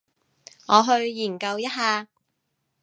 我去研究一下